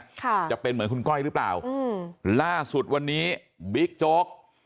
ค่ะจะเป็นเหมือนคุณก้อยหรือเปล่าอืมล่าสุดวันนี้บิ๊กโจ๊ก